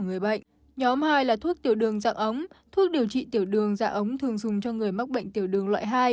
nhóm hai là thuốc tiểu đường dạng ống thuốc điều trị tiểu đường dạng ống thường dùng cho người mắc bệnh tiểu đường loại hai